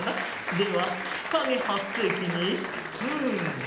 ではかげはっせいきにん。